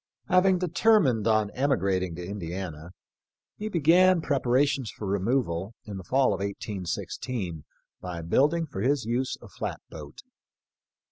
Having determined on emigrating to Indiana, he began preparations for removal in the fall of 18 16 by building for his use a flat boat.